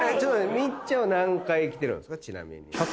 光ちゃん何回来てるんですか？